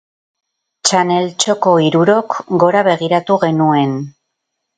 Txaneltxoko hirurok gora begiratu genuen.